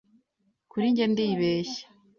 Kuri njye ndibeshya.